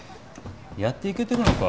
やっていけてるのか？